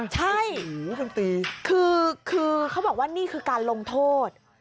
ใช่คือเขาบอกว่านี่คือการลงโทษ